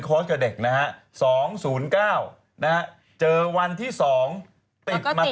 โค้ชกับเด็กนะฮะสองศูนย์เจอวันที่สองแล้วก็ติดอยู่